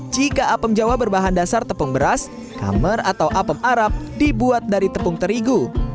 jika apem jawa berbahan dasar tepung beras kamer atau apem arab dibuat dari tepung terigu